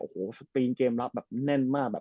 โอ้โหสปรีนเกมรับแน่นมาก